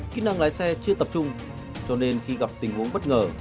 kỹ năng lái xe chưa tập trung cho nên khi gặp tình huống bất ngờ